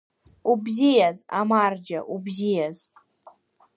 Убзиаз, амарџьа, убзиаз!